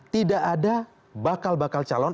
tidak ada bakal bakal calon